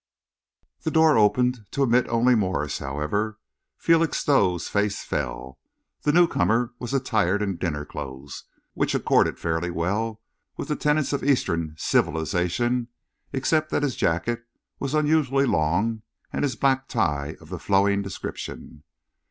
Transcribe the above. The door opened to admit only Morse, however. Felixstowe's face fell. The newcomer was attired in dinner clothes, which accorded fairly well with the tenets of eastern civilisation except that his jacket was unusually long and his black tie of the flowing description.